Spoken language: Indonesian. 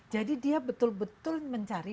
jadi dia betul betul mencari